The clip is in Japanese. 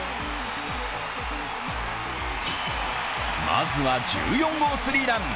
まずは１４号スリーラン。